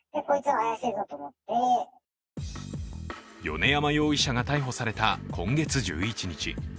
米山容疑者が逮捕された今月１１日。